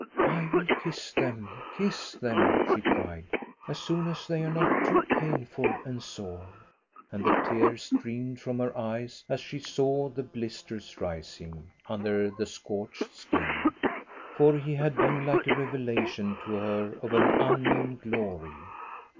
" I will kiss them, kiss them," she cried, " as soon as they are not too painful and sore !" And the tears streamed from her eyes as she saw the blisters rising under the scorched skin. For he had been like a revelation to her of an un known glory.